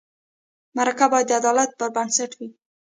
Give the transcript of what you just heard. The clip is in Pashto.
مرکه باید د عدالت پر بنسټ وي.